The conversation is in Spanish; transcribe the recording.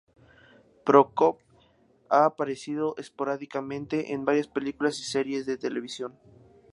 Prokop ha aparecido esporádicamente en varias películas y series de televisión.